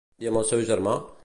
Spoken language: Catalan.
I amb el seu germà?